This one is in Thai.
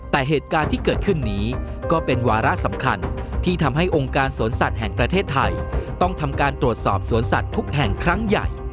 แต่เหตุการณ์ที่เกิดขึ้นนี้ก็เป็นวาระสำคัญที่ทำให้องค์การสวนสัตว์แห่งประเทศไทยต้องทำการตรวจสอบสวนสัตว์ทุกแห่งครั้งใหญ่